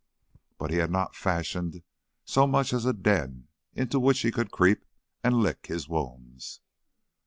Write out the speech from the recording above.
But he had not fashioned so much as a den into which he could creep and lick his wounds.